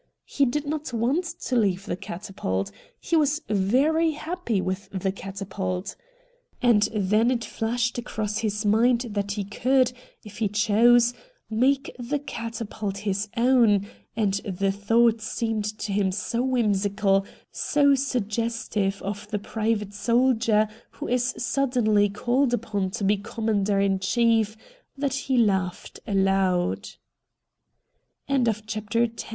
He did not want to leave the ' Catapult '; he was very happy with the ' Catapult.' And then it flashed across his mind that he could, if he chose, make the ' Catapult ' his own, and the thought seemed to him so whimsical, so suggestive of the private soldier who is suddenly called upon to be commander in chief, that he laug